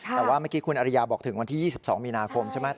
แต่ว่าเมื่อกี้คุณอริยาบอกถึงวันที่๒๒มีนาคมใช่ไหม